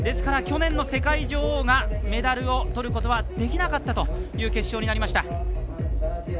去年の世界女王がメダルをとることはできなかったという決勝になりました。